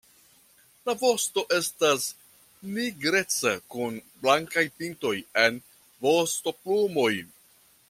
La vosto estas nigreca kun blankaj pintoj en vostoplumoj.